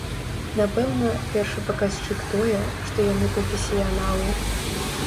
Напэўна, першы паказчык тое, што яны прафесіяналы.